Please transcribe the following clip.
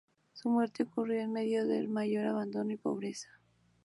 Su muerte ocurrió en medio del mayor abandono y pobreza.